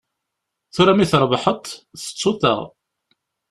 Tura mi trebḥeḍ, tettuḍ-aɣ.